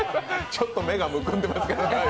ちょっと目がむくんでますけど。